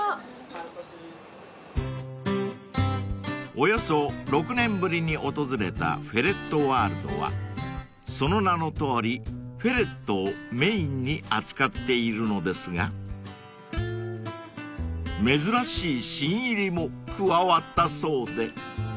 ［およそ６年ぶりに訪れたフェレットワールドはその名のとおりフェレットをメインに扱っているのですが珍しい新入りも加わったそうで］